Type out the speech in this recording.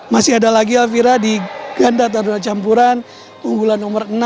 masih ada lagi alfira di gandar meja campuran unggulan nomor enam